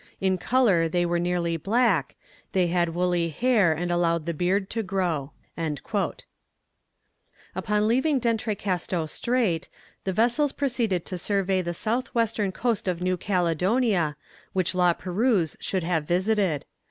In colour they were nearly black; they had woolly hair, and allowed the beard to grow." [Illustration: "They came upon four natives."] Upon leaving D'Entrecasteaux Strait, the vessels proceeded to survey the south western coast of New Caledonia, which La Perouse should have visited.